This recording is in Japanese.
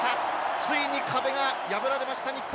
ついに壁が破られました日本。